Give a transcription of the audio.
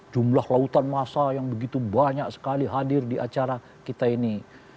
jumlah lautan massa yang begitu banyak sekali hadir di acara kita ini